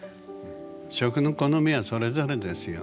食の好みはそれぞれですよ。